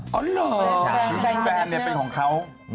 คุณแบรนด์เนี่ยเป็นของเขา